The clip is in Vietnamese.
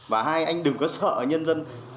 và hai anh đừng có sợ nhân dân